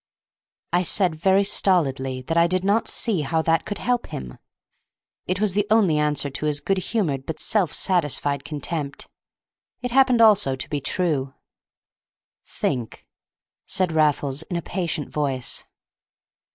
I said very stolidly that I did not see how that could help him. It was the only answer to his good humored but self satisfied contempt; it happened also to be true. "Think," said Raffles, in a patient voice.